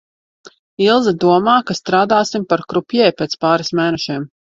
Ilze domā, ka strādāsim par krupjē pēc pāris mēnešiem.